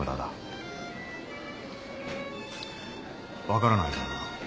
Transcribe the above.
分からないかな。